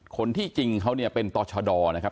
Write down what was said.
คนที่จริงเขาเนี่ยเป็นตอชดอนะครับ